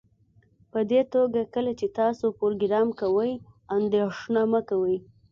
پدې توګه کله چې تاسو پروګرام کوئ اندیښنه مه کوئ